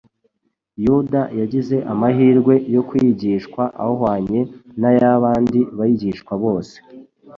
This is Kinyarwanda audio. Yuda yagize amahirwe yo kwigishwa ahwanye n'ay'abandi bigishwa bose.